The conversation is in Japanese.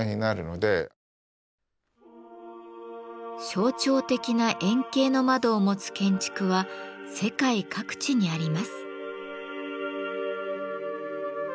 象徴的な円形の窓を持つ建築は世界各地にあります。